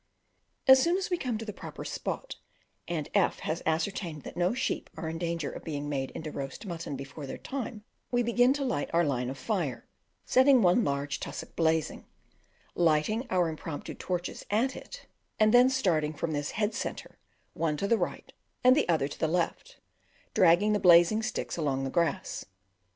As soon as we come to the proper spot, and F has ascertained that no sheep are in danger of being made into roast mutton before their time, we begin to light our line of fire, setting one large tussock blazing, lighting our impromptu torches at it, and then starting from this "head centre," one to the right and the other to the left, dragging the blazing sticks along the grass.